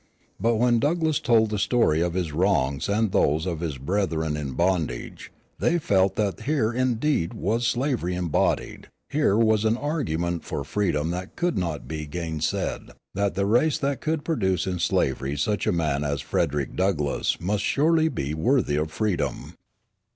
But, when Douglass told the story of his wrongs and those of his brethren in bondage, they felt that here indeed was slavery embodied, here was an argument for freedom that could not be gainsaid, that the race that could produce in slavery such a man as Frederick Douglass must surely be worthy of freedom.